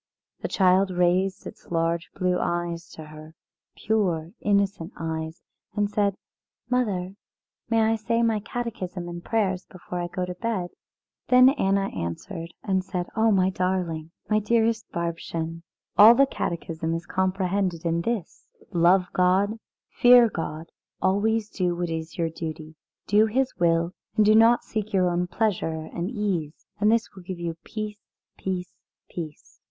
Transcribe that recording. The child raised its large blue eyes to her, pure innocent eyes, and said: "Mother, may I say my Catechism and prayers before I go to bed?" Then Anna answered and said: "Oh, my darling! My dearest Bärbchen! All the Catechism is comprehended in this: Love God, fear God, always do what is your duty. Do His will, and do not seek only your own pleasure and ease. And this will give you peace peace peace."